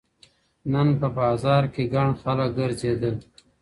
نن په بازار کې ګڼ خلک ګرځېدل.